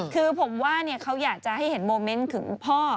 คือผมว่าเขาอยากจะให้เห็นโมเมนต์ถึงพ่อ